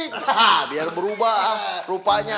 hahah biar berubah rupanya